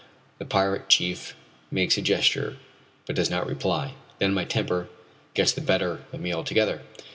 The pirate chief makes a gesture, but does not reply. Then my temper gets the better of me altogether.